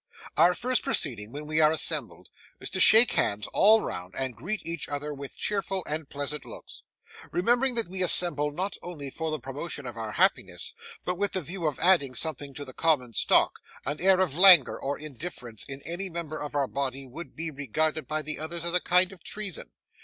Our first proceeding when we are assembled is to shake hands all round, and greet each other with cheerful and pleasant looks. Remembering that we assemble not only for the promotion of our happiness, but with the view of adding something to the common stock, an air of languor or indifference in any member of our body would be regarded by the others as a kind of treason.